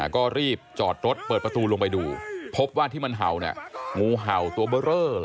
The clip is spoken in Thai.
ก็รีบจอดรถเปิดประตูลงไปดูพบว่าที่มันเห่างูเห่าตัวเบอร์เรอ